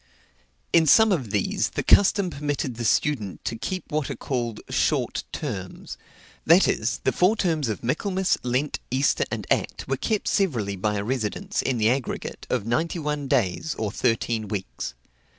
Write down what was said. In some of these the custom permitted the student to keep what are called "short terms;" that is, the four terms of Michaelmas, Lent, Easter, and Act, were kept severally by a residence, in the aggregate, of ninety one days, or thirteen weeks.